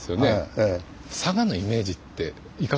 ええ。